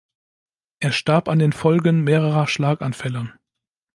Er starb an den Folgen mehrerer Schlaganfälle.